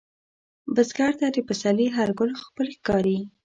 بزګر ته د پسرلي هر ګل خپل ښکاري